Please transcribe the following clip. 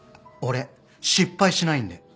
「俺失敗しないんで」